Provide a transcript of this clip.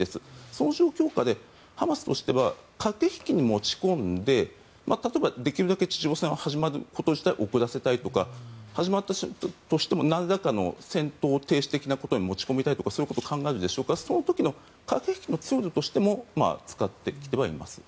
その状況下でハマスとしては駆け引きに持ち込んで例えばできるだけ、地上戦が始まること自体遅らせたいとか始まったとしてもなんらかの戦闘停止的なことに持ち込みたいとかを考えるでしょうからその時の駆け引きのツールとしても使ってきてはいます。